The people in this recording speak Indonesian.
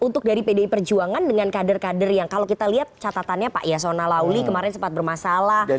jadi pdi perjuangan dengan kader kader yang kalau kita lihat catatannya pak iasona lawli kemarin sempat bermasalah